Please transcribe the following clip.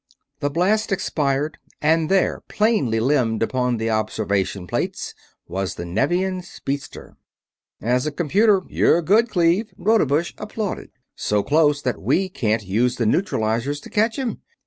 The blast expired and there, plainly limned upon the observation plates, was the Nevian speedster. "As a computer, you're good, Cleve," Rodebush applauded. "So close that we can't use the neutralizers to catch him.